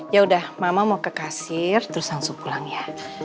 yaudah mama mau ke kasir terus hansu pulang ya